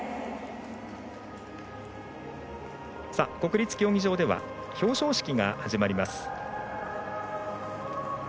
国立競技場では表彰式が始まります。